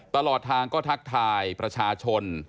ตลอดทางก็ทักทายประชาชน